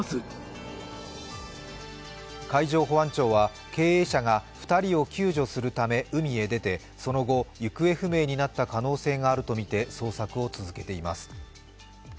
海上保安庁は経営者が２人を救助するため海へ出て、その後行方不明になった可能性があるとみて捜索を続けています。